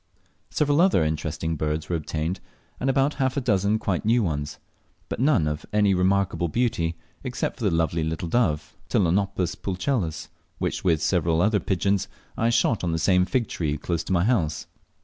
Several other interesting birds were obtained, and about half a dozen quite new ones; but none of any remarkable beauty, except the lovely little dove, Ptilonopus pulchellus, which with several other pigeons I shot on the same fig tree close to my house.